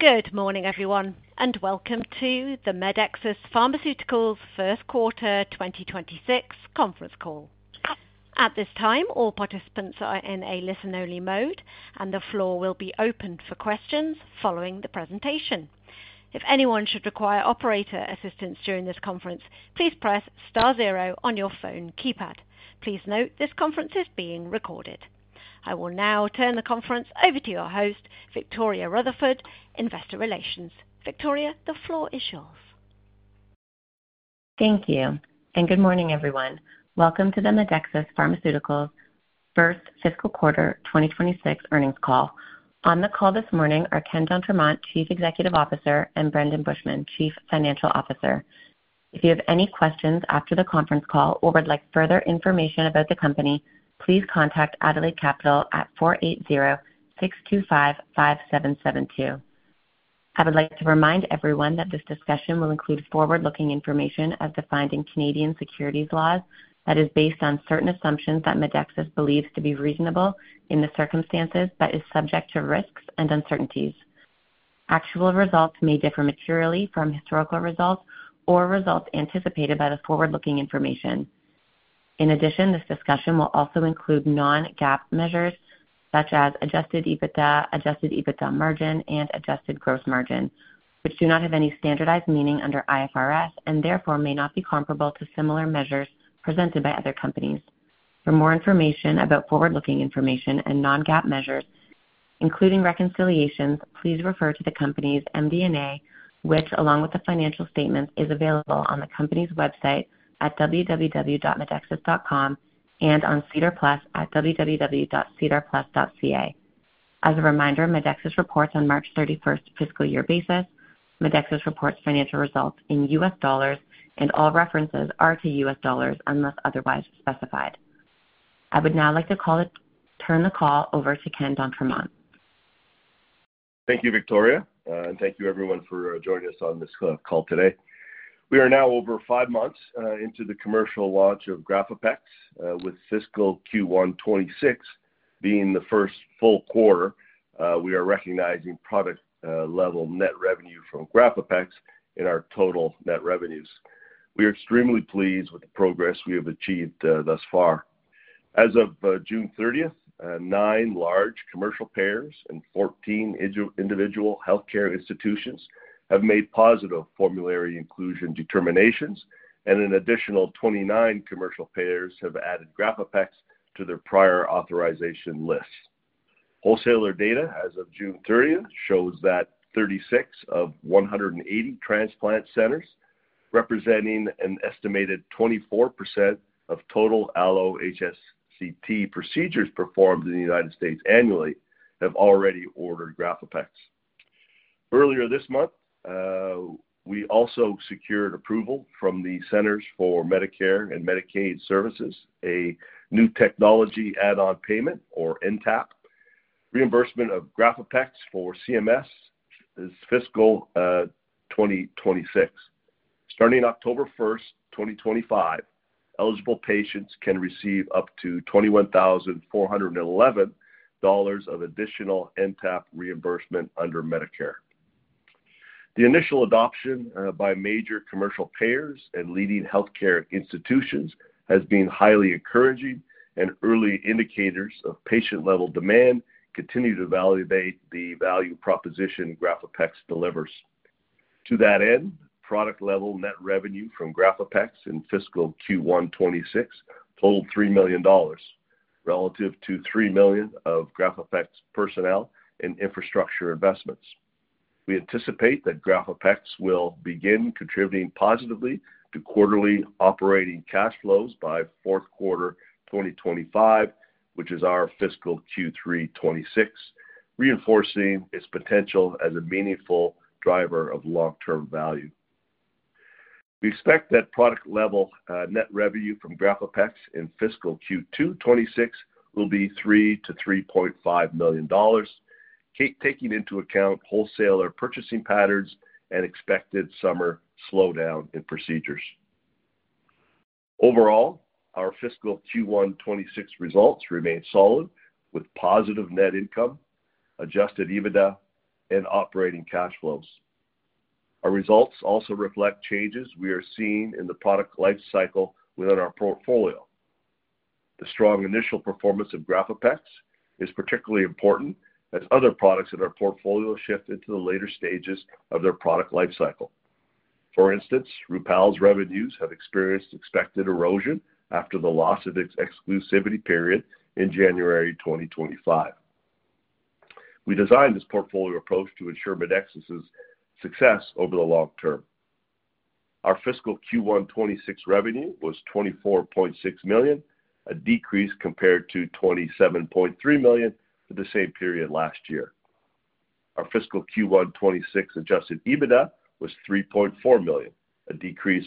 Good morning, everyone, and welcome to the Medexus Pharmaceuticals First Quarter 2026 Conference Call. At this time, all participants are in a listen-only mode, and the floor will be opened for questions following the presentation. If anyone should require operator assistance during this conference, please press star zero on your phone keypad. Please note this conference is being recorded. I will now turn the conference over to our host, Victoria Rutherford, Investor Relations. Victoria, the floor is yours. Thank you, and good morning, everyone. Welcome to the Medexus Pharmaceuticals First Fiscal Quarter 2026 Earnings Call. On the call this morning are Ken d'Entremont, Chief Executive Officer, and Brendon Bushman, Chief Financial Officer. If you have any questions after the conference call or would like further information about the company, please contact Adelaide Capital at 480-625-5772. I would like to remind everyone that this discussion will include forward-looking information as defined in Canadian securities laws. That is based on certain assumptions that Medexus believes to be reasonable in the circumstances and that are subject to risks and uncertainties. Actual results may differ materially from historical results or results anticipated by the forward-looking information. In addition, this discussion will also include non-GAAP measures such as adjusted EBITDA, adjusted EBITDA margin, and adjusted gross margin, which do not have any standardized meaning under IFRS and therefore may not be comparable to similar measures presented by other companies. For more information about forward-looking information and non-GAAP measures, including reconciliations, please refer to the company's MD&A, which, along with the financial statements, is available on the company's website at www.medexus.com and on SEDAR+ at www.sedarplus.ca. As a reminder, Medexus reports on a March 31 fiscal year basis. Medexus reports financial results in U.S. dollars, and all references are to U.S. dollars unless otherwise specified. I would now like to turn the call over to Ken d'Entremont. Thank you, Victoria, and thank you, everyone, for joining us on this call today. We are now over five months into the commercial launch of GRAFAPEX, with fiscal Q1 2026 being the first full quarter. We are recognizing product-level net revenue from GRAFAPEX in our total net revenues. We are extremely pleased with the progress we have achieved thus far. As of June 30, nine large commercial payers and 14 individual healthcare institutions have made positive formulary inclusion determinations, and an additional 29 commercial payers have added GRAFAPEX to their prior authorization lists. Wholesaler data as of June 30 shows that 36 of 180 transplant centers, representing an estimated 24% of total allo-HSCT procedures performed in the United States annually, have already ordered GRAFAPEX. Earlier this month, we also secured approval from the Centers for Medicare & Medicaid Services for a New Technology Add-On Payment, or NTAP, reimbursement of GRAFAPEX for CMS, in fiscal 2026. Starting October 1, 2025, eligible patients can receive up to $21,411 of additional NTAP reimbursement under Medicare. The initial adoption by major commercial payers and leading healthcare institutions has been highly encouraging, and early indicators of patient-level demand continue to validate the value proposition GRAFAPEX delivers. To that end, product-level net revenue from GRAFAPEX in fiscal Q1 2026 totaled $3 million relative to $3 million of GRAFAPEX personnel and infrastructure investments. We anticipate that GRAFAPEX will begin contributing positively to quarterly operating cash flows by fourth quarter 2025, which is our fiscal Q3 2026, reinforcing its potential as a meaningful driver of long-term value. We expect that product-level net revenue from GRAFAPEX in fiscal Q2 2026 will be $3 million-$3.5 million, taking into account wholesaler purchasing patterns and expected summer slowdown in procedures. Overall, our fiscal Q1 2026 results remain solid with positive net income, adjusted EBITDA, and operating cash flows. Our results also reflect changes we are seeing in the product lifecycle within our portfolio. The strong initial performance of GRAFAPEX is particularly important as other products in our portfolio shift into the later stages of their product lifecycle. For instance, Rupall's revenues have experienced expected erosion after the loss of its exclusivity period in January 2025. We designed this portfolio approach to ensure Medexus' success over the long-term. Our fiscal Q1 2026 revenue was $24.6 million, a decrease compared to $27.3 million for the same period last year. Our fiscal Q1 2026 adjusted EBITDA was $3.4 million, a decrease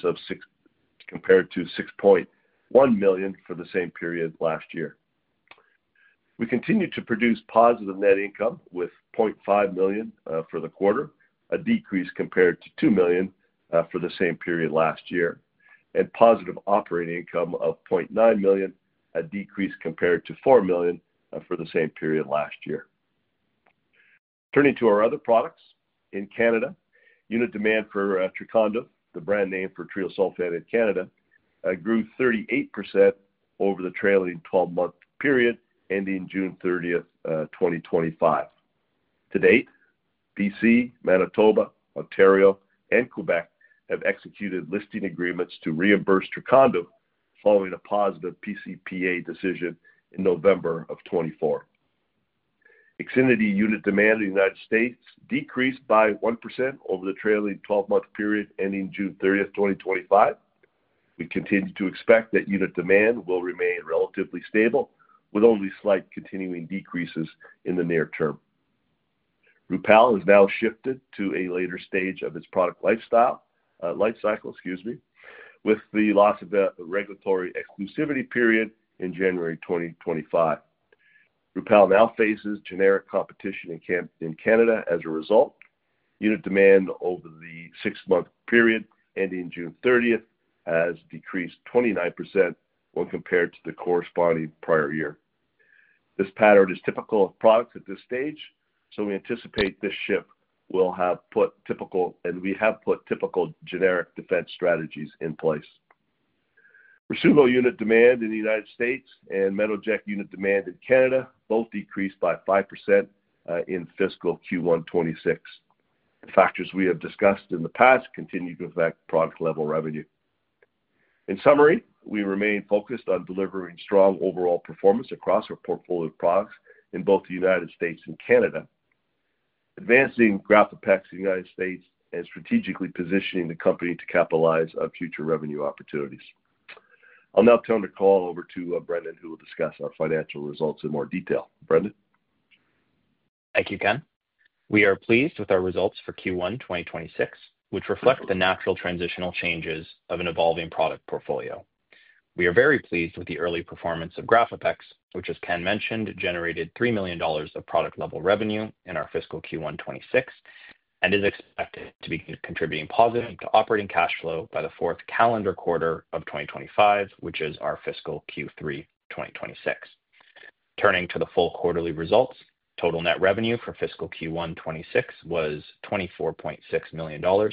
compared to $6.1 million for the same period last year. We continue to produce positive net income with $0.5 million for the quarter, a decrease compared to $2 million for the same period last year, and positive operating income of $0.9 million, a decrease compared to $4 million for the same period last year. Turning to our other products, in Canada, unit demand for Trecondyv, the brand name for treosulfan in Canada, grew 38% over the trailing 12-month period ending June 30, 2025. To date, B.C., Manitoba, Ontario, and Quebec have executed listing agreements to reimburse Trecondyv following a positive pCPA decision in November of 2024. Extended unit demand in the United States decreased by 1% over the trailing 12-month period ending June 30, 2025. We continue to expect that unit demand will remain relatively stable with only slight continuing decreases in the near term. Rupall has now shifted to a later stage of its product lifecycle with the loss of the regulatory exclusivity period in January 2025. Rupall now faces generic competition in Canada as a result. Unit demand over the six-month period ending June 30 has decreased 29% when compared to the corresponding prior year. This pattern is typical of products at this stage, so we anticipate this shift will have put typical generic defense strategies in place. Residual unit demand in the United States and Metoject unit demand in Canada both decreased by 5% in fiscal Q1 2026. The factors we have discussed in the past continue to affect product-level revenue. In summary, we remain focused on delivering strong overall performance across our portfolio products in both the United States and Canada, advancing GRAFAPEX in the United States, and strategically positioning the company to capitalize on future revenue opportunities. I'll now turn the call over to Brendon, who will discuss our financial results in more detail. Brendon? Thank you, Ken. We are pleased with our results for Q1 2026, which reflect the natural transitional changes of an evolving product portfolio. We are very pleased with the early performance of GRAFAPEX, which, as Ken mentioned, generated $3 million of product-level revenue in our fiscal Q1 2026 and is expected to be contributing positively to operating cash flow by the fourth calendar quarter of 2025, which is our fiscal Q3 2026. Turning to the full quarterly results, total net revenue for fiscal Q1 2026 was $24.6 million.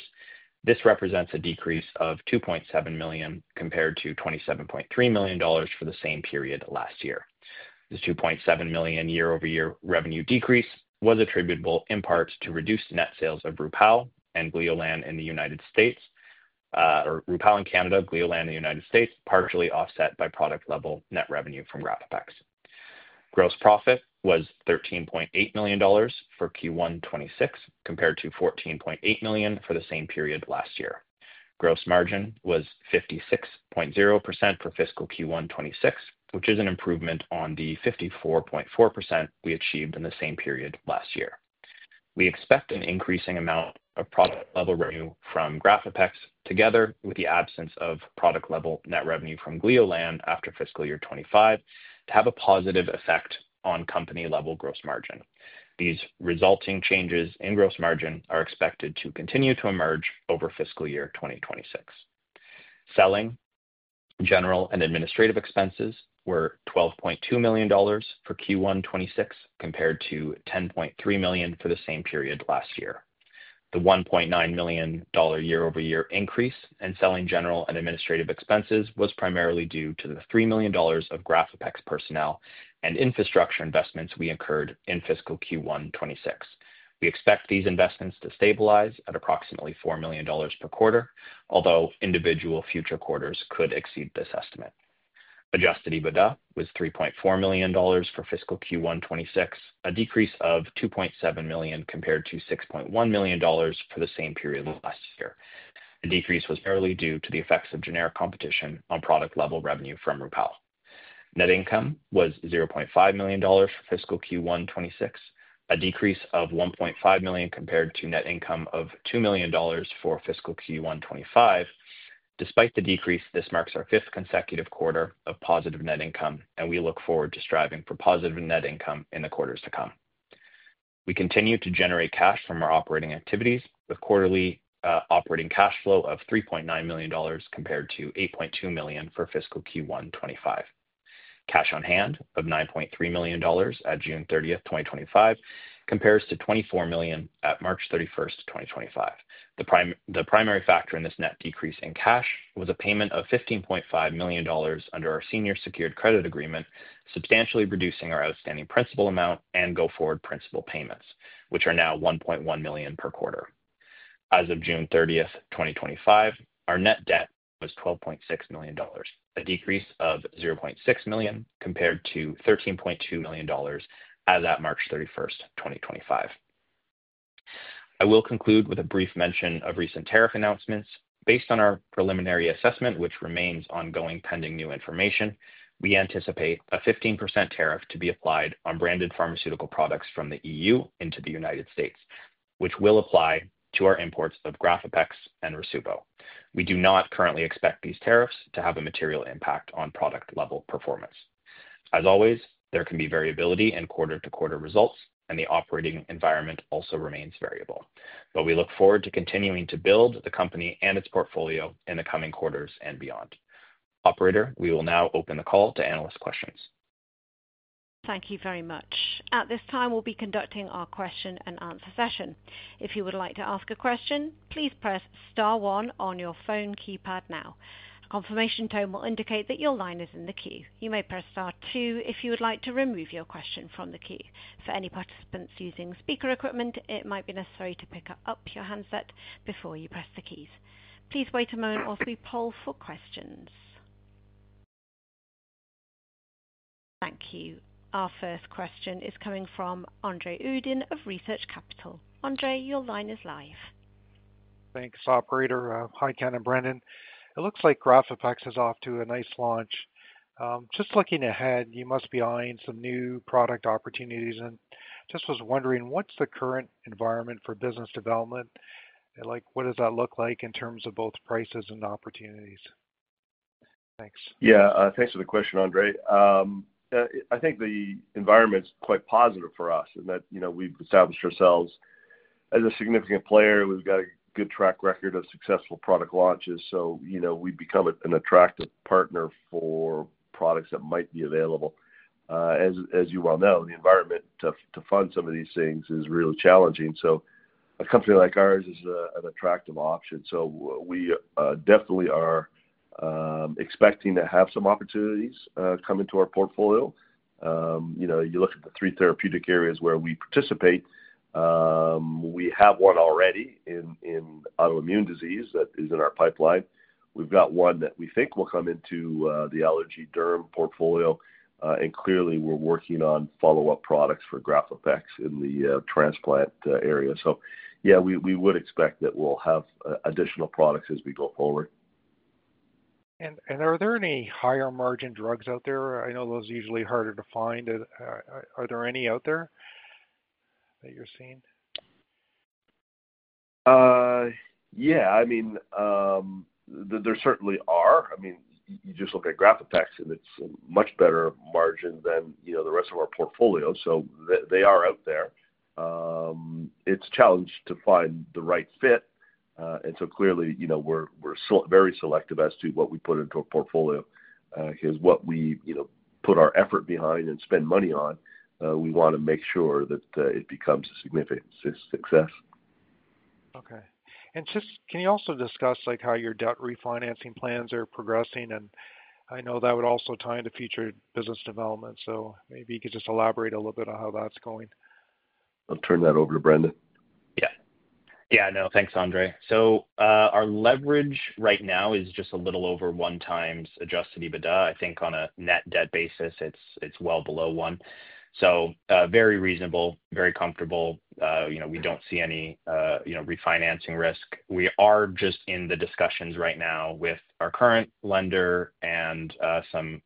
This represents a decrease of $2.7 million compared to $27.3 million for the same period last year. This $2.7 million year-over-year revenue decrease was attributable in part to reduced net sales of Rupall and Gleolan in the United States, or Rupall in Canada, Gleolan in the United States, partially offset by product-level net revenue from GRAFAPEX. Gross profit was $13.8 million for Q1 2026 compared to $14.8 million for the same period last year. Gross margin was 56.0% for fiscal Q1 2026, which is an improvement on the 54.4% we achieved in the same period last year. We expect an increasing amount of product-level net revenue from GRAFAPEX, together with the absence of product-level net revenue from Gleolan after fiscal year 2025, to have a positive effect on company-level gross margin. These resulting changes in gross margin are expected to continue to emerge over fiscal year 2026. Selling, general and administrative expenses were $12.2 million for Q1 2026 compared to $10.3 million for the same period last year. The $1.9 million year-over-year increase in selling, general and administrative expenses was primarily due to the $3 million of GRAFAPEX personnel and infrastructure investments we incurred in fiscal Q1 2026. We expect these investments to stabilize at approximately $4 million per quarter, although individual future quarters could exceed this estimate. Adjusted EBITDA was $3.4 million for fiscal Q1 2026, a decrease of $2.7 million compared to $6.1 million for the same period last year. The decrease was merely due to the effects of generic competition on product-level net revenue from Rupall. Net income was $0.5 million for fiscal Q1 2026, a decrease of $1.5 million compared to net income of $2 million for fiscal Q1 2025. Despite the decrease, this marks our fifth consecutive quarter of positive net income, and we look forward to striving for positive net income in the quarters to come. We continue to generate cash from our operating activities, with quarterly operating cash flow of $3.9 million compared to $8.2 million for fiscal Q1 2025. Cash on hand of $9.3 million at June 30, 2025, compares to $24 million at March 31, 2025. The primary factor in this net decrease in cash was a payment of $15.5 million under our senior secured credit agreement, substantially reducing our outstanding principal amount and go-forward principal payments, which are now $1.1 million per quarter. As of June 30, 2025, our net debt was $12.6 million, a decrease of $0.6 million compared to $13.2 million as at March 31, 2025. I will conclude with a brief mention of recent tariff announcements. Based on our preliminary assessment, which remains ongoing pending new information, we anticipate a 15% tariff to be applied on branded pharmaceutical products from the EU into the United States, which will apply to our imports of GRAFAPEX and Rasuvo. We do not currently expect these tariffs to have a material impact on product-level performance. As always, there can be variability in quarter-to-quarter results, and the operating environment also remains variable. We look forward to continuing to build the company and its portfolio in the coming quarters and beyond. Operator, we will now open the call to analyst questions. Thank you very much. At this time, we'll be conducting our question-and-answer session. If you would like to ask a question, please press star one on your phone keypad now. A confirmation tone will indicate that your line is in the queue. You may press star two if you would like to remove your question from the queue. For any participants using speaker equipment, it might be necessary to pick up your handset before you press the keys. Please wait a moment while we poll for questions. Thank you. Our first question is coming from Andre Uddin of Research Capital. Andre, your line is live. Thanks, Operator. Hi, Ken and Brendon. It looks like GRAFAPEX is off to a nice launch. Just looking ahead, you must be eyeing some new product opportunities. I was wondering, what's the current environment for business development? What does that look like in terms of both prices and opportunities? Thanks. Yeah, thanks for the question, Andre. I think the environment's quite positive for us in that we've established ourselves as a significant player. We've got a good track record of successful product launches, so we've become an attractive partner for products that might be available. As you well know, the environment to fund some of these things is really challenging. A company like ours is an attractive option. We definitely are expecting to have some opportunities come into our portfolio. You look at the three therapeutic areas where we participate. We have one already in autoimmune disease that is in our pipeline. We've got one that we think will come into the allergy derm portfolio, and clearly, we're working on follow-up products for GRAFAPEX in the transplant area. We would expect that we'll have additional products as we go forward. Are there any higher margin drugs out there? I know those are usually harder to find. Are there any out there that you're seeing? Yeah, there certainly are. You just look at GRAFAPEX, and it's a much better margin than the rest of our portfolio. They are out there. It's a challenge to find the right fit. Clearly, we're very selective as to what we put into a portfolio because what we put our effort behind and spend money on, we want to make sure that it becomes a significant success. Okay. Can you also discuss how your debt refinancing plans are progressing? I know that would also tie into future business development. Maybe you could just elaborate a little bit on how that's going. I'll turn that over to Brendon. Yeah, no, thanks, Andre. Our leverage right now is just a little over one times adjusted EBITDA. I think on a net debt basis, it's well below one. Very reasonable, very comfortable. We don't see any refinancing risk. We are just in the discussions right now with our current lender and some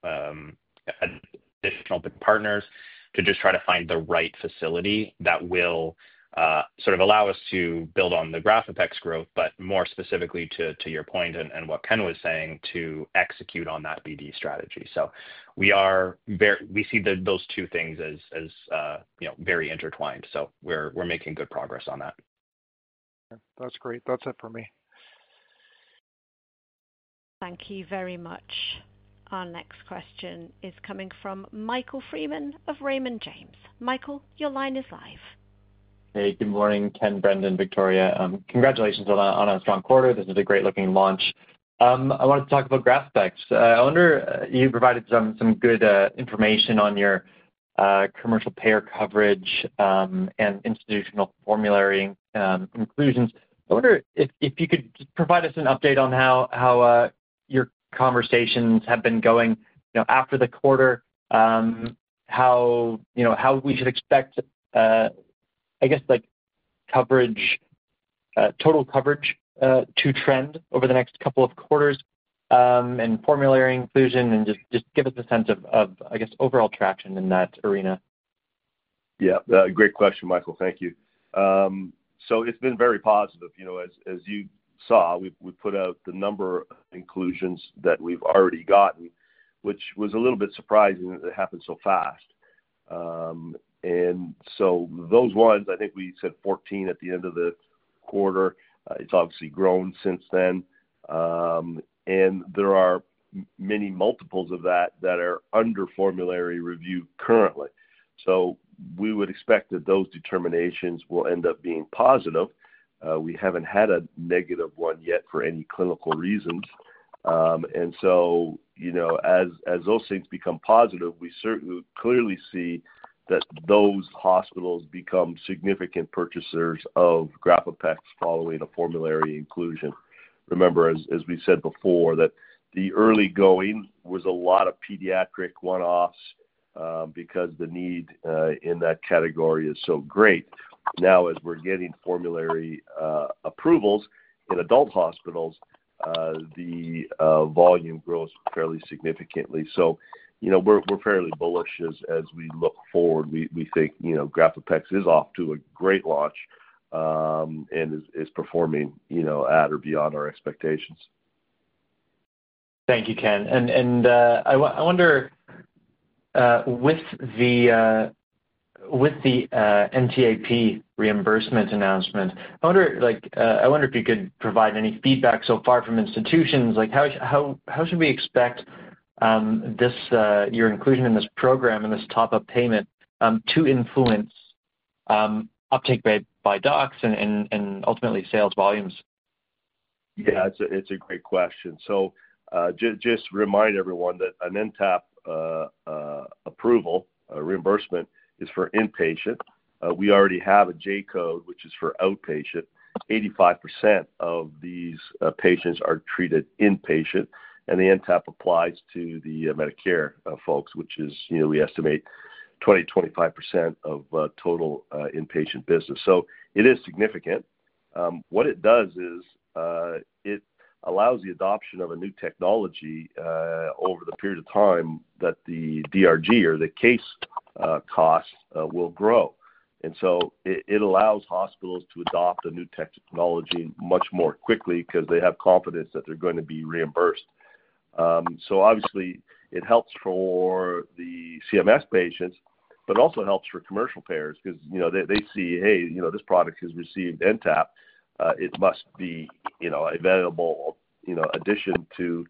additional partners to try to find the right facility that will allow us to build on the GRAFAPEX growth, but more specifically to your point and what Ken was saying, to execute on that BD strategy. We see those two things as very intertwined. We're making good progress on that. That's great. That's it for me. Thank you very much. Our next question is coming from Michael Freeman of Raymond James. Michael, your line is live. Hey, good morning, Ken, Brendon, Victoria. Congratulations on a strong quarter. This is a great looking launch. I wanted to talk about GRAFAPEX. You provided some good information on your commercial payer coverage and institutional formulary inclusions. I wonder if you could provide us an update on how your conversations have been going after the quarter, how we should expect, I guess, like, coverage, total coverage to trend over the next couple of quarters and formulary inclusion, and just give us a sense of, I guess, overall traction in that arena. Yeah, great question, Michael. Thank you. It's been very positive. As you saw, we put out the number of inclusions that we've already gotten, which was a little bit surprising that it happened so fast. Those ones, I think we said 14 at the end of the quarter. It's obviously grown since then, and there are many multiples of that that are under formulary review currently. We would expect that those determinations will end up being positive. We haven't had a negative one yet for any clinical reasons. As those things become positive, we clearly see that those hospitals become significant purchasers of GRAFAPEX following a formulary inclusion. Remember, as we said before, the early going was a lot of pediatric one-offs because the need in that category is so great. Now, as we're getting formulary approvals in adult hospitals, the volume grows fairly significantly. We're fairly bullish as we look forward. We think GRAFAPEX is off to a great launch and is performing at or beyond our expectations. Thank you, Ken. With the NTAP reimbursement announcement, I wonder if you could provide any feedback so far from institutions. How should we expect your inclusion in this program and this top-up payment to influence uptake by docs and ultimately sales volumes? Yeah, it's a great question. Just remind everyone that an NTAP approval, a reimbursement, is for inpatient. We already have a J-code, which is for outpatient. 85% of these patients are treated inpatient, and the NTAP applies to the Medicare folks, which is, you know, we estimate 20%-25% of total inpatient business. It is significant. What it does is it allows the adoption of a new technology over the period of time that the DRG or the case cost will grow. It allows hospitals to adopt a new technology much more quickly because they have confidence that they're going to be reimbursed. Obviously, it helps for the CMS patients, but it also helps for commercial payers because, you know, they see, hey, you know, this product has received NTAP. It must be, you know, a valuable addition to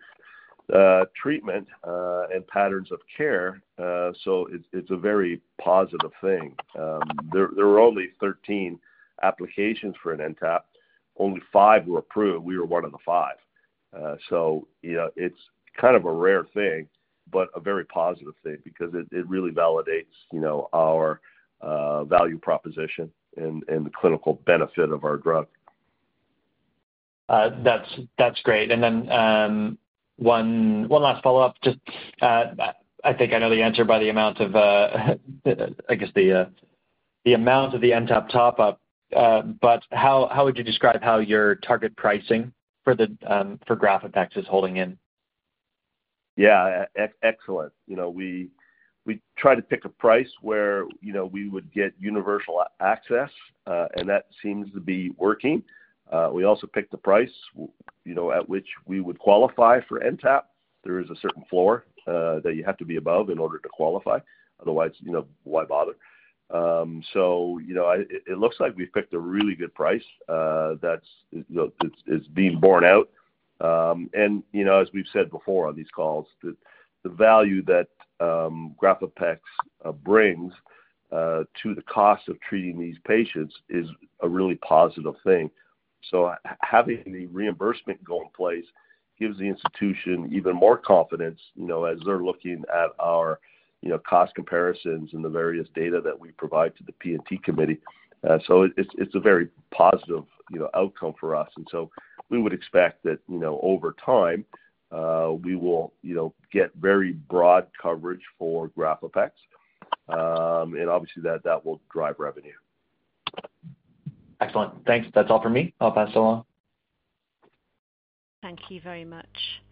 treatment and patterns of care. It's a very positive thing. There were only 13 applications for an NTAP. Only five were approved. We were one of the five. It's kind of a rare thing, but a very positive thing because it really validates, you know, our value proposition and the clinical benefit of our drug. That's great. One last follow-up. I think I know the answer by the amount of the NTAP top-up, but how would you describe how your target pricing for GRAFAPEX is holding in? Yeah, excellent. We try to pick a price where we would get universal access, and that seems to be working. We also picked the price at which we would qualify for NTAP. There is a certain floor that you have to be above in order to qualify. Otherwise, why bother? It looks like we've picked a really good price that's being borne out. As we've said before on these calls, the value that GRAFAPEX brings to the cost of treating these patients is a really positive thing. Having the reimbursement go in place gives the institution even more confidence as they're looking at our cost comparisons and the various data that we provide to the P&T committee. It's a very positive outcome for us. We would expect that, over time, we will get very broad coverage for GRAFAPEX. Obviously, that will drive revenue. Excellent. Thanks. That's all for me. I'll pass it along. Thank you very much.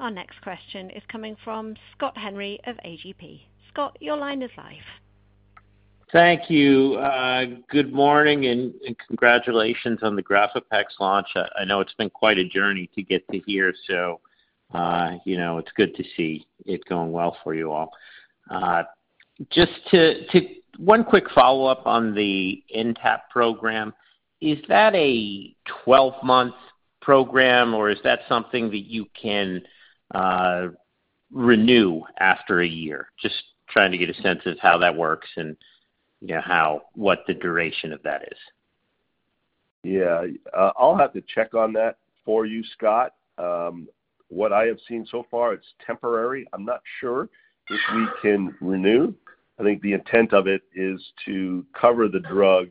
Our next question is coming from Scott Henry of AGP. Scott, your line is live. Thank you. Good morning and congratulations on the GRAFAPEX launch. I know it's been quite a journey to get to here. It's good to see it going well for you all. Just one quick follow-up on the NTAP program. Is that a 12-month program or is that something that you can renew after a year? I'm just trying to get a sense of how that works and what the duration of that is. I'll have to check on that for you, Scott. What I have seen so far, it's temporary. I'm not sure if we can renew. I think the intent of it is to cover the drug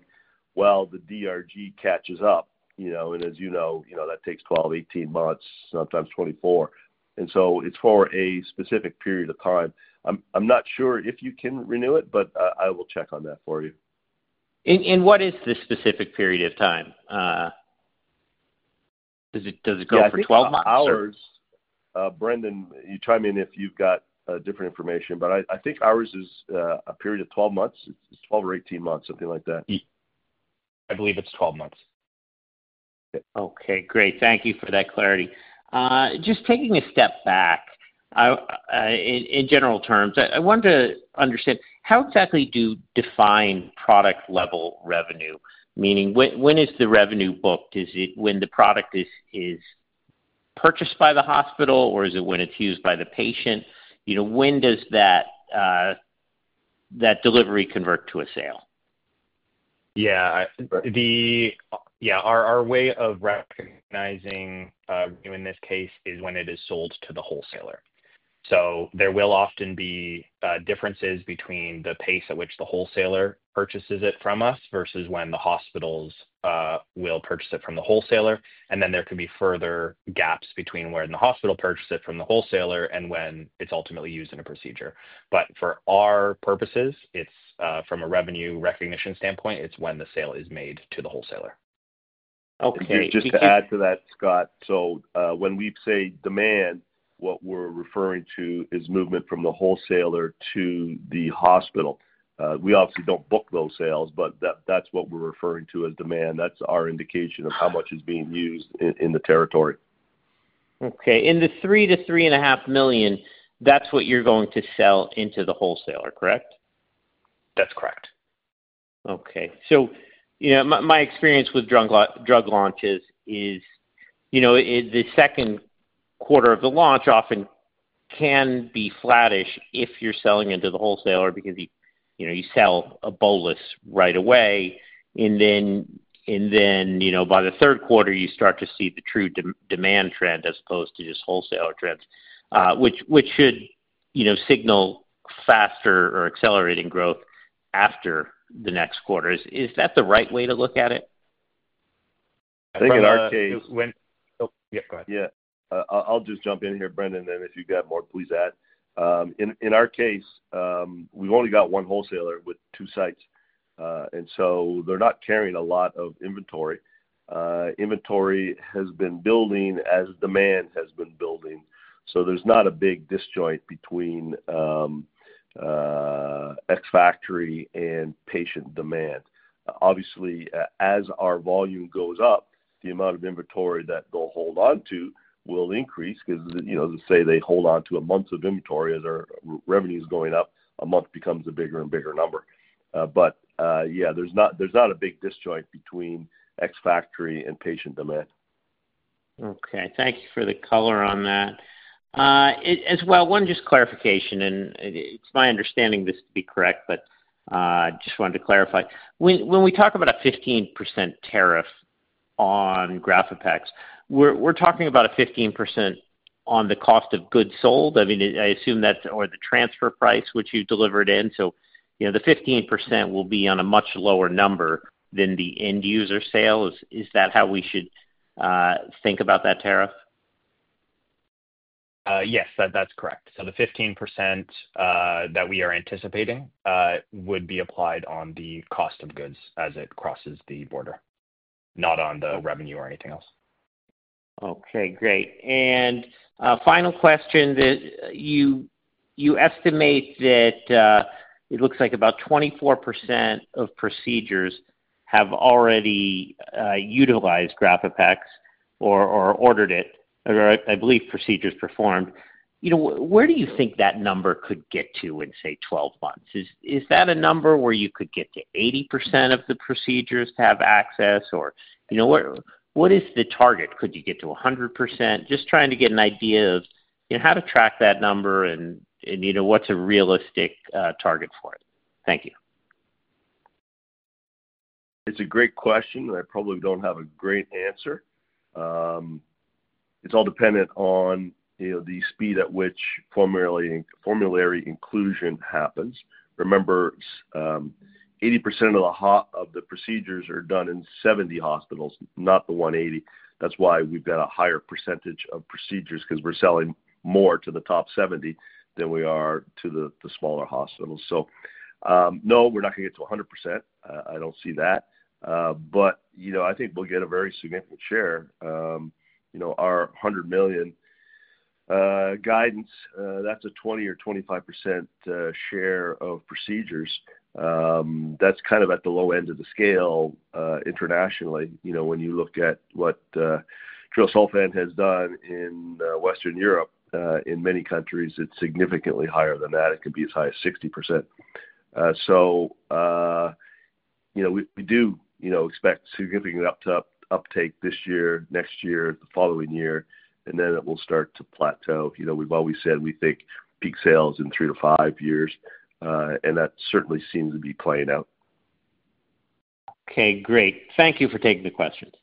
while the DRG catches up, you know, and as you know, that takes 12, 18 months, sometimes 24. It's for a specific period of time. I'm not sure if you can renew it, but I will check on that for you. What is the specific period of time? Does it go for 12 months? Brendon, you try me in if you've got different information, but I think ours is a period of 12 months. It's 12 or 18 months, something like that. I believe it's 12 months. Okay, great. Thank you for that clarity. Just taking a step back, in general terms, I want to understand how exactly do you define product-level revenue? Meaning, when is the revenue booked? Is it when the product is purchased by the hospital or is it when it's used by the patient? You know, when does that delivery convert to a sale? Our way of recognizing, in this case, is when it is sold to the wholesaler. There will often be differences between the pace at which the wholesaler purchases it from us versus when the hospitals will purchase it from the wholesaler. There can be further gaps between when the hospital purchases it from the wholesaler and when it's ultimately used in a procedure. For our purposes, from a revenue recognition standpoint, it's when the sale is made to the wholesaler. Okay, just to add to that, Scott, when we say demand, what we're referring to is movement from the wholesaler to the hospital. We obviously don't book those sales, but that's what we're referring to as demand. That's our indication of how much is being used in the territory. Okay, in the $3 million-$3.5 million, that's what you're going to sell into the wholesaler, correct? That's correct. Okay, my experience with drug launches is the second quarter of the launch often can be flattish if you're selling into the wholesaler because you sell a bolus right away. By the third quarter, you start to see the true demand trend as opposed to just wholesaler trends, which should signal faster or accelerating growth after the next quarter. Is that the right way to look at it? I think in our case, I'll just jump in here, Brendon, and if you've got more, please add. In our case, we've only got one wholesaler with two sites, and they're not carrying a lot of inventory. Inventory has been building as demand has been building. There's not a big disjoint between X factory and patient demand. Obviously, as our volume goes up, the amount of inventory that they'll hold on to will increase because, you know, let's say they hold on to a month of inventory. As our revenue is going up, a month becomes a bigger and bigger number. There's not a big disjoint between X factory and patient demand. Okay, thank you for the color on that. As well, one clarification, and it's my understanding this to be correct, but I just wanted to clarify. When we talk about a 15% tariff on GRAFAPEX, we're talking about a 15% on the cost of goods sold. I assume that's or the transfer price which you delivered in. The 15% will be on a much lower number than the end user sales. Is that how we should think about that tariff? Yes, that's correct. The 15% that we are anticipating would be applied on the cost of goods as it crosses the border, not on the revenue or anything else. Okay, great. Final question, you estimate that it looks like about 24% of procedures have already utilized GRAFAPEX or ordered it, or I believe procedures performed. Where do you think that number could get to in, say, 12 months? Is that a number where you could get to 80% of the procedures to have access, or what is the target? Could you get to 100%? Just trying to get an idea of how to track that number and what's a realistic target for it. Thank you. It's a great question. I probably don't have a great answer. It's all dependent on the speed at which formulary inclusion happens. Remember, 80% of the procedures are done in 70 hospitals, not the 180. That's why we've got a higher percentage of procedures because we're selling more to the top 70 than we are to the smaller hospitals. No, we're not going to get to 100%. I don't see that. I think we'll get a very significant share. Our $100 million guidance, that's a 20% or 25% share of procedures. That's kind of at the low end of the scale internationally. When you look at what treosulfan has done in Western Europe, in many countries, it's significantly higher than that. It could be as high as 60%. We do expect significant uptake this year, next year, the following year, and then it will start to plateau. We've always said we think peak sales in three to five years, and that certainly seems to be playing out. Okay, great. Thank you for taking the questions.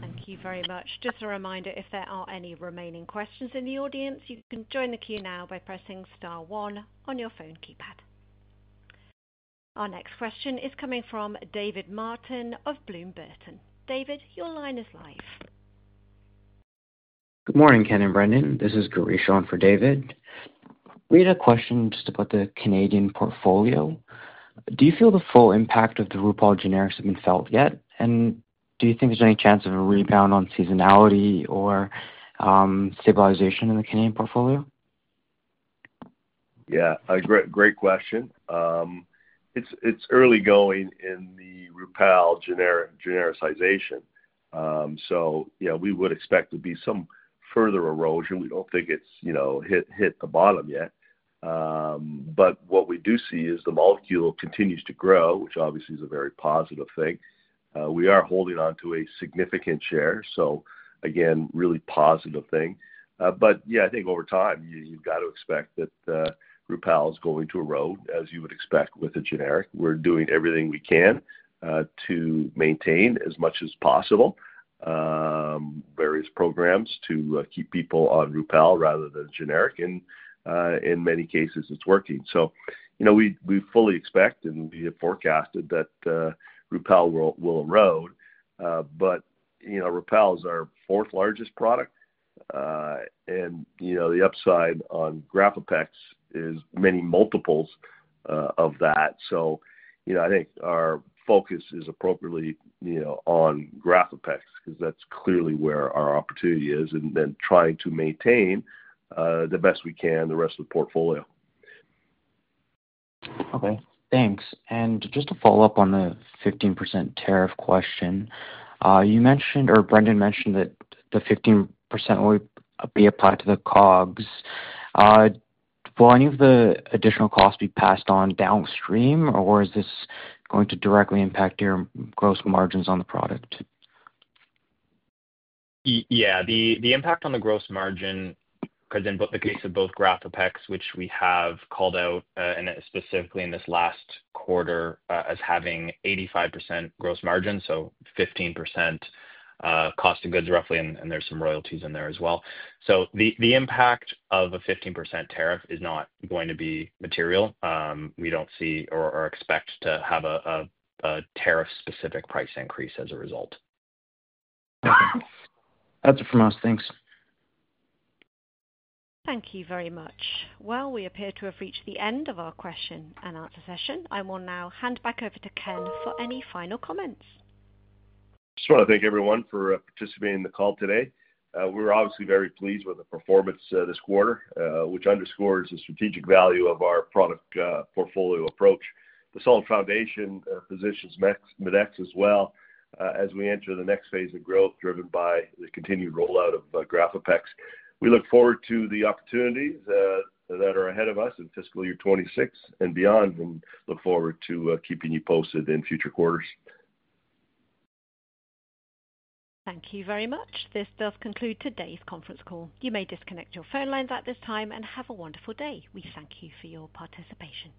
Thank you very much. Just a reminder, if there are any remaining questions in the audience, you can join the queue now by pressing star one on your phone keypad. Our next question is coming from David Martin of Bloom Burton. David, your line is live. Good morning, Ken and Brendon. This is Gireesh on for David. We had a question just about the Canadian portfolio. Do you feel the full impact of the Rupall generics have been felt yet? Do you think there's any chance of a rebound on seasonality or stabilization in the Canadian portfolio? Yeah, great question. It's early going in the Rupall genericization. We would expect to see some further erosion. We don't think it's hit the bottom yet. What we do see is the molecule continues to grow, which obviously is a very positive thing. We are holding on to a significant share, so again, really positive thing. I think over time, you've got to expect that Rupall is going to erode, as you would expect with a generic. We're doing everything we can to maintain as much as possible, various programs to keep people on Rupall rather than generic, and in many cases, it's working. We fully expect and we have forecasted that Rupall will erode. Rupall is our fourth largest product, and the upside on GRAFAPEX is many multiples of that. I think our focus is appropriately on GRAFAPEX because that's clearly where our opportunity is, and then trying to maintain the best we can the rest of the portfolio. Okay, thanks. Just to follow up on the 15% tariff question, you mentioned, or Brendon mentioned, that the 15% will be applied to the COGs. Will any of the additional costs be passed on downstream, or is this going to directly impact your gross margins on the product? Yeah, the impact on the gross margin could then book the case of both GRAFAPEX, which we have called out specifically in this last quarter as having 85% gross margin, so 15% cost of goods roughly, and there's some royalties in there as well. The impact of a 15% tariff is not going to be material. We don't see or expect to have a tariff-specific price increase as a result. That's it from us. Thanks. Thank you very much. We appear to have reached the end of our question-and-answer session. I will now hand back over to Ken for any final comments. I just want to thank everyone for participating in the call today. We're obviously very pleased with the performance this quarter, which underscores the strategic value of our product portfolio approach. The solid foundation positions Medexus well as we enter the next phase of growth driven by the continued rollout of GRAFAPEX. We look forward to the opportunities that are ahead of us in fiscal year 2026 and beyond and look forward to keeping you posted in future quarters. Thank you very much. This does conclude today's conference call. You may disconnect your phone lines at this time and have a wonderful day. We thank you for your participation.